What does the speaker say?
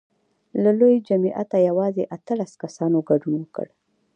له لوی جمعیته یوازې اتلس کسانو ګډون وکړ.